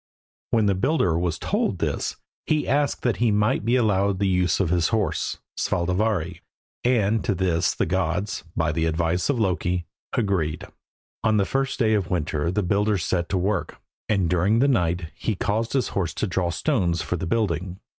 When the builder was told this he asked that he might be allowed the use of his horse, Svadilfari, and to this the gods, by the advice of Loki, agreed. On the first day of winter the builder set to work, and during the night he caused his horse to draw stones for the building.